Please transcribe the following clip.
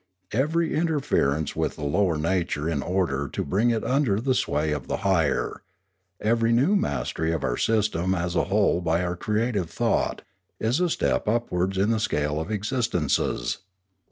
Every interference with the lower nature in order to bring it under the sway of the higher, every new mastery of our systems as a whole by our creative thought, is a step upwards in the scale of existences.